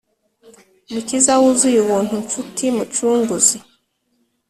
Mukiza wuzuye ubuntu nshuti mucunguzi